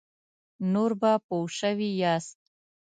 نور به پوه شوي یاست.